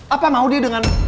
apa mau dia dengan